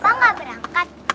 papa gak berangkat